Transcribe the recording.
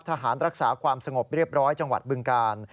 ทหารรักษาความสงบเรียบร้อยจังหวัดบึงกาล